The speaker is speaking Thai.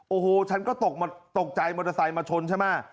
โอ้โหฉันก็ตกใจมอเตอร์ไซค์มาชนใช่ไหม